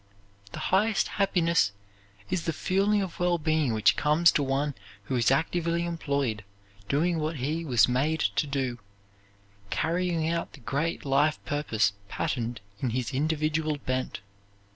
The highest happiness is the feeling of wellbeing which comes to one who is actively employed doing what he was made to do, carrying out the great life purpose patterned in his individual bent.